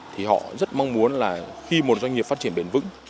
thì họ rất mong muốn là khi một doanh nghiệp phát triển bền vững